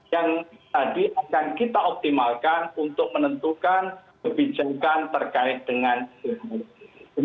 yang tadi akan kita optimalkan untuk menentukan kebijakan terkait dengan regulasi